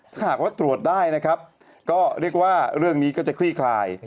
ถ้าหากว่าตรวจได้นะครับก็เรียกว่าเรื่องนี้ก็จะคลี่คลาย